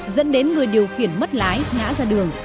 dẫn đến người điều khiển mất lái ngã ra đường